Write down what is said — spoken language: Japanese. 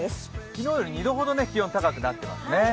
昨日より２度ほど気温が高くなっています。